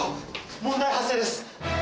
問題発生です。